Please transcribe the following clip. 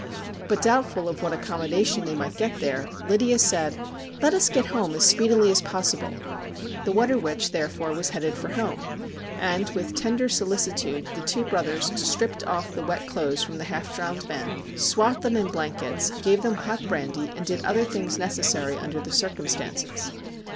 But, doubtful of what accommodation they might get there, Lydia said: ' Let us get home as speedily as possible.' The ' Water Witch,' therefore, was headed for home, and with tender solicitude the two brothers stripped off the wet clothes from the half drowned men, swathed them in blankets, gave them hot brandy, and did other things necessary under the circumstances.